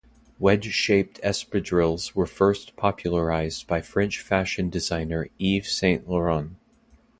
Wedge shaped espadrilles were first popularized by French fashion designer Yves Saint Laurent.